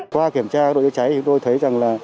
qua kiểm tra đội trợ cháy chúng tôi thấy rằng